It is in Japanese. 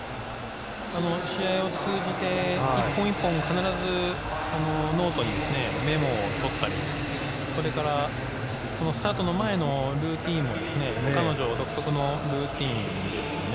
試合を通じて１本１本、必ずノートにメモを取ったりそれからスタートの前のルーチンも彼女独特のルーチンですよね。